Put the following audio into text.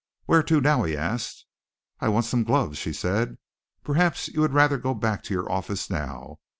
"Where to now?" he asked. "I want some gloves," she said. "Perhaps you would rather go back to your office now.